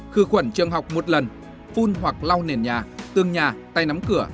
khử khuẩn trường học một lần phun hoặc lau nền nhà tương nhà tay nắm cửa